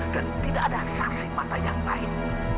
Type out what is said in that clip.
dan tidak ada saksi mata yang lain